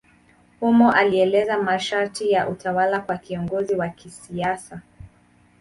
Humo alieleza masharti ya utawala kwa kiongozi wa kisiasa.